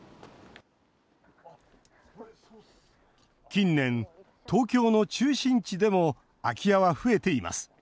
近年、東京の中心地でも空き家は増えています。